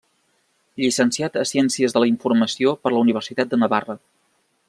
Llicenciat a Ciències de la Informació per la Universitat de Navarra.